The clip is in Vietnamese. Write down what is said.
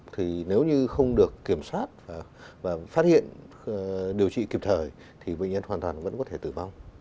thì nếu như không được kiểm soát và phát hiện điều trị kịp thời thì bệnh nhân hoàn toàn vẫn có thể tử vong